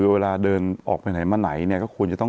เวลาเดินออกไปไหนมาไหนเนี่ยก็ควรจะต้อง